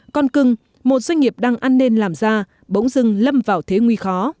con cưng một doanh nghiệp đang an nên làm ra bỗng dưng lâm vào thế nguy khó